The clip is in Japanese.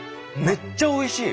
めっちゃおいしい！